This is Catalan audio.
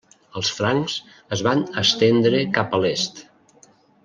Els francs es van estendre cap a l'est.